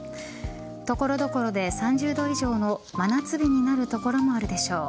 所々で３０度以上の真夏日になる所もあるでしょう。